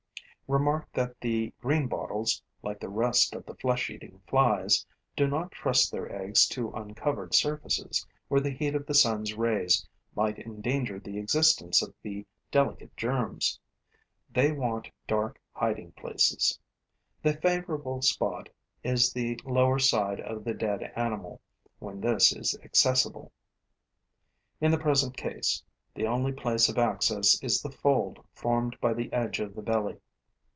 Remark that the Greenbottles, like the rest of the flesh eating flies, do not trust their eggs to uncovered surfaces, where the heat of the sun's rays might endanger the existence of the delicate germs. They want dark hiding places. The favorite spot is the lower side of the dead animal, when this is accessible. In the present case, the only place of access is the fold formed by the edge of the belly.